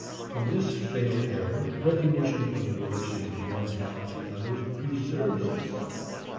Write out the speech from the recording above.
From this fatal error recognition of the relations of one habit to others preserves us.